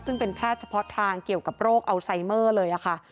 ซึ่งเป็นแพทย์เฉพาะทางเกี่ยวกับโรคอัลไซเมอร์เลยค่ะ